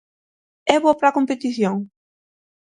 É boa para a competición?